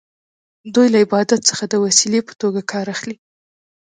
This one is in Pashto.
دوی له عبادت څخه د وسیلې په توګه کار اخلي.